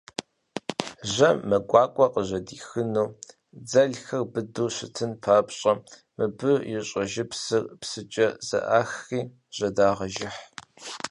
Жьэм мэ гуакӏуэ къыжьэдихыу, дзэлхэр быдэу щытын папщӏэ, мыбы и щӏэжыпсыр псыкӏэ зэӏахри жьэдагъэжыхь.